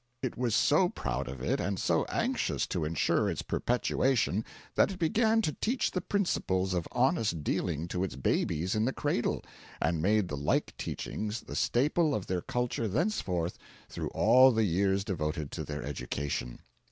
It was so proud of it, and so anxious to insure its perpetuation, that it began to teach the principles of honest dealing to its babies in the cradle, and made the like teachings the staple of their culture thenceforward through all the years devoted to their education.